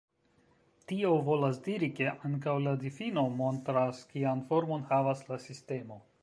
Tio volas diri, ke ankaŭ la difino montras kian formon havas la sistemo.